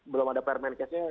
belum ada permankasnya